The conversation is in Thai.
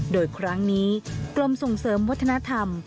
โดยครั้งนี้กรมส่งเสริมวัฒนธรรม